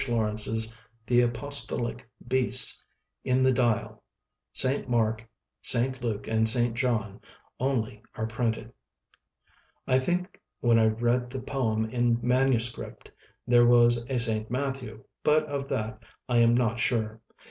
Lawrence's "The Apostolic Beasts" in "The Dial". "Saint Mark", "Saint Luke", and "Saint John" only are printed. I think, when I read the poem in manuscript, there was a "Saint Matthew", but of that I am not sure. Mr.